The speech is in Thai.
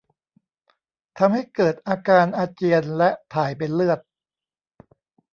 ทำให้เกิดอาการอาเจียนและถ่ายเป็นเลือด